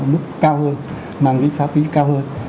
mức cao hơn mang cái pháp lý cao hơn